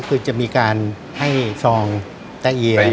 คือจะมีการให้ซองแตะเอียง